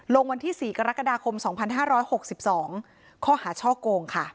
วันที่๔กรกฎาคม๒๕๖๒ข้อหาช่อโกงค่ะ